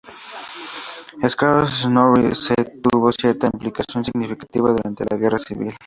Skarðs-Snorri si tuvo cierta implicación significativa durante la guerra civil.